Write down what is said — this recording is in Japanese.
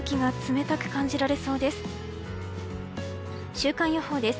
週間予報です。